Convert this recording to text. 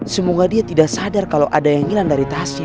semoga dia tidak sadar kalau ada yang hilang dari tasnya